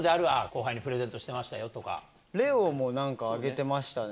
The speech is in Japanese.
後輩にプレゼントしてましたよと玲於もなんかあげてましたね。